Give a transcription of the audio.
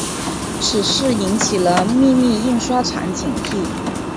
此事引起了秘密印刷厂警惕。